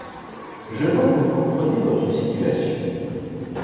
Je vois que vous comprenez votre situation.